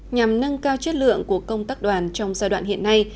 nhằm nâng cao chất lượng của công tác đoàn trong giai đoạn hiện nay